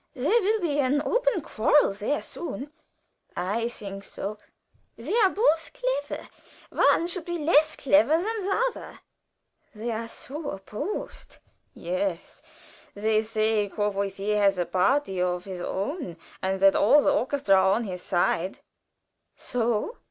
"There will be an open quarrel there soon." "I think so." "They are both clever; one should be less clever than the other." "They are so opposed." "Yes. They say Courvoisier has a party of his own, and that all the orchestra are on his side." "So!"